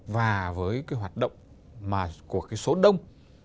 và với hoạt động của số đông